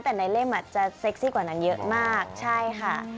แต่ในเล่มอาจจะเซ็กซี่กว่านั้นเยอะมากใช่ค่ะ